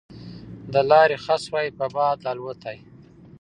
د لارې خس وای په باد الوتای